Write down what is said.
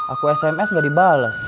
aku sms gak dibalas